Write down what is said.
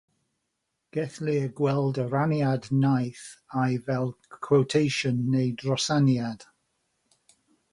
Gellir gweld y rhaniad naill ai fel cwotisiwn neu ddosraniad.